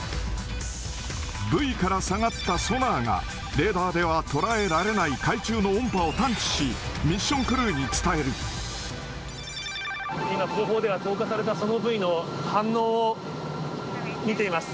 ブイから下がったソナーが、レーダーでは捉えられない海中の音波を探知し、ミッションクルー今、後方では、投下されたソノブイの反応を見ています。